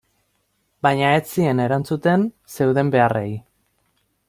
Baina ez zien erantzuten zeuden beharrei.